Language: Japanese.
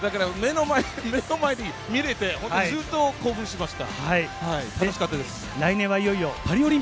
目の前で見れて、本当にずっと興奮していました。